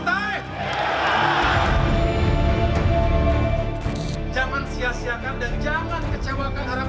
ada yang rindu spw